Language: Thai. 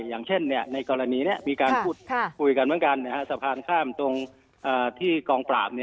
อย่างเช่นในกรณีนี้มีการพูดคุยกันเหมือนกันสะพานข้ามตรงที่กองปราบ